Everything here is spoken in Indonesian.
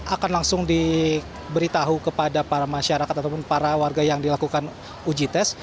akan langsung diberi tahu kepada para masyarakat ataupun para warga yang dilakukan uji test